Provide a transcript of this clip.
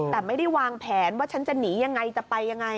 แต่ไม่ได้วางแผนว่าฉันจะหนียังไงจะไปยังไง